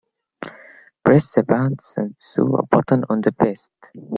Press the pants and sew a button on the vest.